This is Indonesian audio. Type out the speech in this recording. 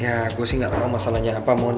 ya gue sih ga tau masalahnya apa mon